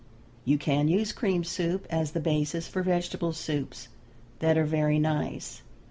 You can use cream soup as the basis for vegetable soups that are very nice.